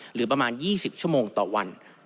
หรือประมาณ๒๐ชั่วโมงต่อวัน